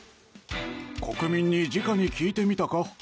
国に直に聞いてみたか？